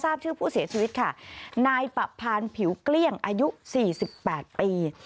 ทราบชื่อผู้เสียชีวิตค่ะนายปะพานผิวเกลี้ยงอายุ๔๘ปี